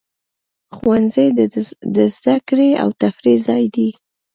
ښوونځی د زده کړې او تفریح ځای دی.